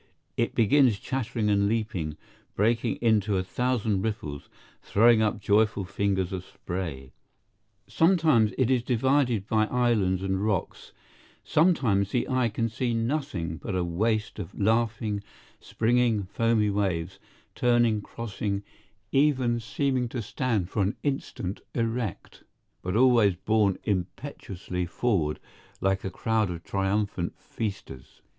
It begins chattering and leaping, breaking into a thousand ripples, throwing up joyful fingers of spray. Sometimes it is divided by islands and rocks, sometimes the eye can see nothing but a waste of laughing, springing, foamy waves, turning, crossing, even seeming to stand for an instant erect, but always borne impetuously forward like a crowd of triumphant feasters.